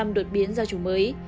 ba mươi năm đột biến ra chủng mới